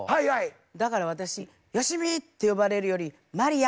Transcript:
だから私「よしみ」って呼ばれるより「マリア」。